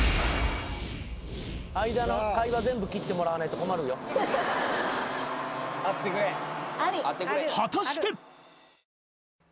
間の会話全部切ってもらわないと困るよ果たして？